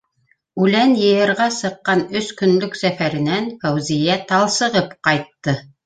Үлән йыйырға сыҡҡан өс көнлөк сәфәренән Фәүзиә талсығып ҡайтты.